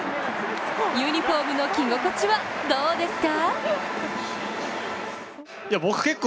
ユニフォームの着心地はどうですか？